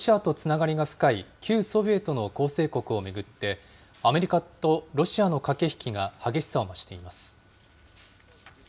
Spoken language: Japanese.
こうした中、ロシアとつながりが深い旧ソビエトの構成国を巡って、アメリカとロシアの駆け引きが激しさを増しています。